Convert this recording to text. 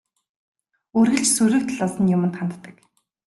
Үргэлж сөрөг талаас нь юманд ханддаг.